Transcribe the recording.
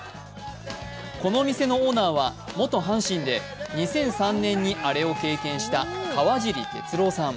この店のオーナーは元阪神で２００３年にアレを経験した川尻哲郎さん。